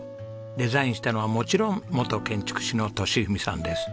デザインしたのはもちろん元建築士の利文さんです。